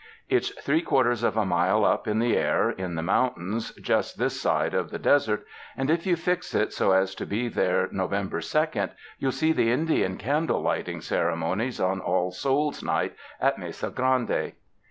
It's three quarters of a mile up in the air in the mountains, just this side of the desert, 78 THE MOUNTAINS and, if yon fix it so as to be there November second, you'll see the Indian candle lighting ceremonies on All Souls' Night at Mesa Grande."